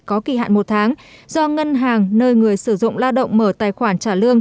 có kỳ hạn một tháng do ngân hàng nơi người sử dụng lao động mở tài khoản trả lương